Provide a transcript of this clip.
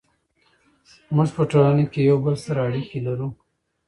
موږ په ټولنه کې یو بل سره اړیکې لرو.